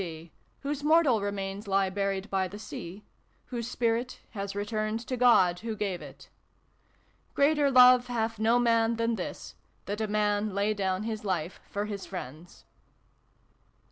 D. whose mortal remains lie buried by the sea : whose spirit has returned to God who gave it. "reater lobe fyatfj no man tfjan tfjts, tfyat a man lag iofon tys life for fjis friends."